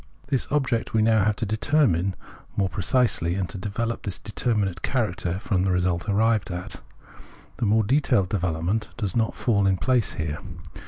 This object we have now to determine more pre cisely, and to develop this determinate character from the result arrived at : the more detailed development does not fall in place here.